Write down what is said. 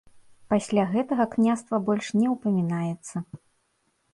Пасля гэтага княства больш не ўпамінаецца.